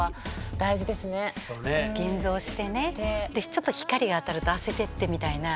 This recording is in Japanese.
現像してねちょっと光が当たるとあせてってみたいな。